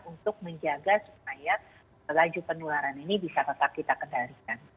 untuk menjaga supaya laju penularan ini bisa tetap kita kendalikan